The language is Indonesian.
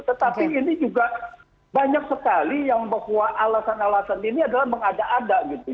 tetapi ini juga banyak sekali yang bahwa alasan alasan ini adalah mengada ada gitu